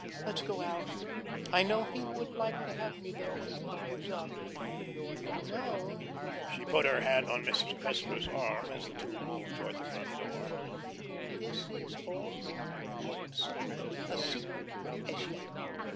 Let's go out. I know he would like to have me there when he drives up. And you know" she put her hand on Mrs. Cressler's arm as the two moved towards the front door "this is all absolutely a secret as yet."